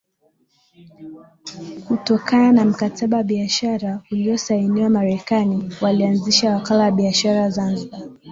Kutokana na Mkataba wa Biashara uliosainiwa Wamerekani walianzisha wakala wa biashara Zanzibar